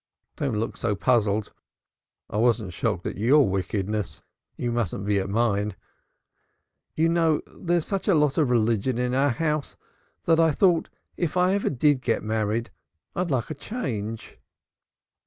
Don't look so puzzled. I wasn't shocked at your wickedness you mustn't be at mine. You know there's such a lot of religion in our house that I thought if I ever did get married I'd like a change."